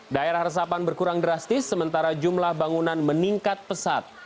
daerah resapan berkurang drastis sementara jumlah bangunan meningkat pesat